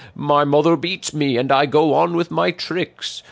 'My mother beats me, and I go on with my tricks.